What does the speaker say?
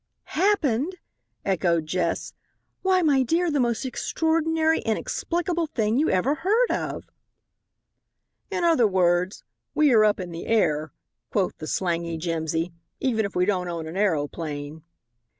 "Happened!" echoed Jess. "Why, my dear, the most extraordinary, inexplicable thing you ever heard of." "In other words, 'we are up in the air,'" quoth the slangy Jimsy, "even if we don't own an aeroplane."